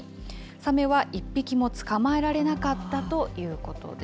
サメは一匹も捕まえられなかったということです。